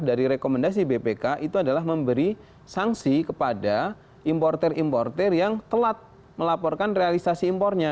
dari rekomendasi bpk itu adalah memberi sanksi kepada importer importer yang telat melaporkan realisasi impornya